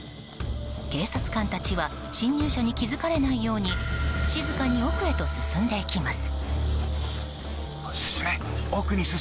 警察官たちは侵入者に気づかれないように静かに奥へと進んでいきます。